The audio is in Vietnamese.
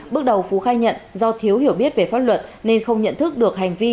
bước đầu phú khai nhận do thiếu hiểu biết về pháp luật nên không nhận thức được hành vi